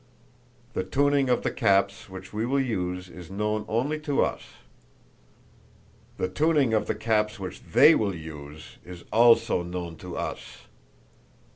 The tuning of the caps which we will use is known only to us; the tuning of the caps which they will use is also known to us!